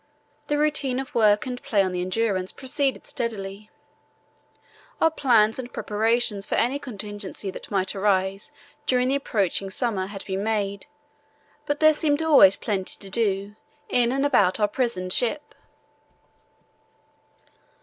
The routine of work and play on the Endurance proceeded steadily. Our plans and preparations for any contingency that might arise during the approaching summer had been made, but there seemed always plenty to do in and about our prisoned ship.